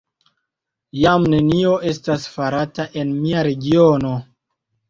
Jam nenio estas farata en mia regiono!